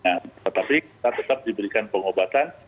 saya mengatakan jika kita tetap diberikan pengobatan